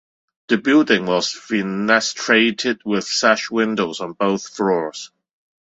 The building was fenestrated with sash windows on both floors.